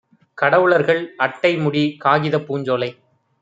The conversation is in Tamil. கடவுளர்கள், அட்டைமுடி, காகிதப் பூஞ்சோலை